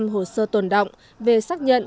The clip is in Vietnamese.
hồ sơ tồn động về xác nhận